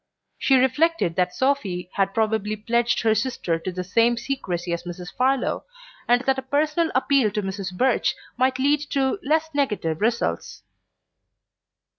She reflected that Sophy had probably pledged her sister to the same secrecy as Mrs. Farlow, and that a personal appeal to Mrs. Birch might lead to less negative results.